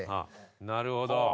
なるほど。